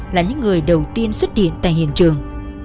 là những người đầu tiên xuất hiện tại hiện trường